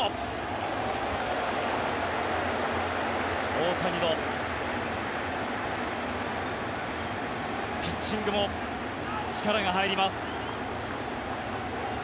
大谷ピッチングも力が入ります。